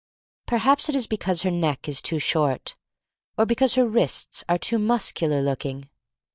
Perhaps it is because her neck is too short, or because her wrists are too muscular looking.